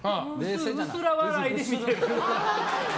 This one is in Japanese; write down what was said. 薄ら笑いで見てる。